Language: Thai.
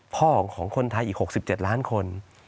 ของคนไทยอีก๖๗ล้านคน